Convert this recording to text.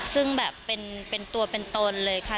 ซึ่งแบบเป็นตัวเป็นตนเลยค่ะ